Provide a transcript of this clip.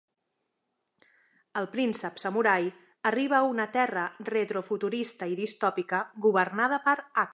El príncep samurai arriba a una Terra retrofuturista i distòpica governada per Aku.